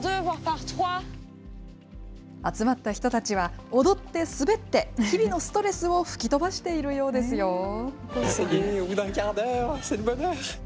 集まった人たちは、踊って、滑って、日々のストレスを吹き飛ばしているようですよ。